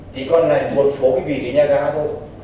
chỉ còn là một số vị trí nhà gã thôi